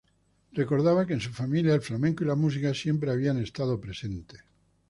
Recordaba que en su familia el flamenco y la música siempre había estado presente.